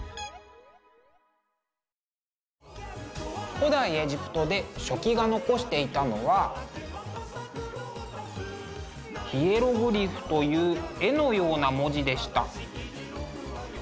古代エジプトで書記が残していたのはヒエログリフという絵のような文字でした。